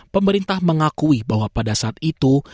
pemerintah mengakui bahwa pada saat itu